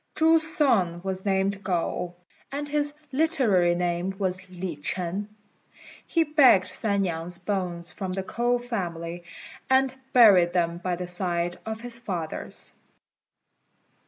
Chu's son was named Ngo, and his literary name was Li ch'ên. He begged San niang's bones from the K'ou family, and buried them by the side of his father's.